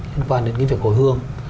liên quan đến cái việc hồi hương